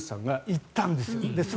行ったんですよね。